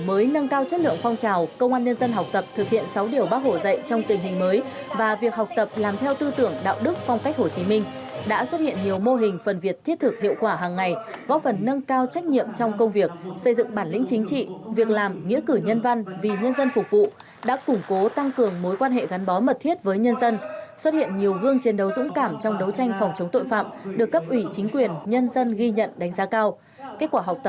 để nâng cao chất lượng phong trào công an nhân dân học tập thực hiện sáu điều bác hổ dạy trong tình hình mới và việc học tập làm theo tư tưởng đạo đức phong cách hồ chí minh đã xuất hiện nhiều mô hình phần việc thiết thực hiệu quả hàng ngày góp phần nâng cao trách nhiệm trong công việc xây dựng bản lĩnh chính trị việc làm nghĩa cử nhân văn vì nhân dân phục vụ đã củng cố tăng cường mối quan hệ gắn bó mật thiết với nhân dân xuất hiện nhiều gương chiến đấu dũng cảm trong đấu tranh phòng chống tội phạm được cấp ủy chính quyền nhân dân ghi nhận đánh giá cao